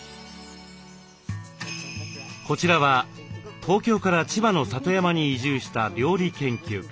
こちらは東京から千葉の里山に移住した料理研究家。